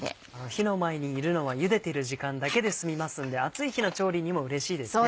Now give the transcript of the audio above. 火の前にいるのはゆでてる時間だけで済みますんで暑い日の調理にもうれしいですね。